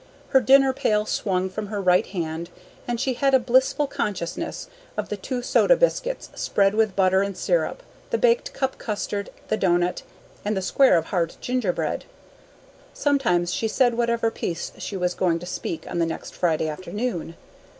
Her dinner pail swung from her right hand, and she had a blissful consciousness of the two soda biscuits spread with butter and syrup, the baked cup custard, the doughnut, and the square of hard gingerbread. Sometimes she said whatever "piece" she was going to speak on the next Friday afternoon.